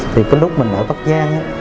thì cái lúc mình ở bắc giang á